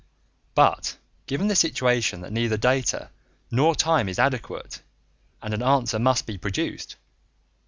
But given the situation that neither data nor time is adequate, and an answer must be produced